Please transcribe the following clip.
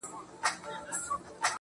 ه ياره د څراغ د مــړه كولو پــه نـيت.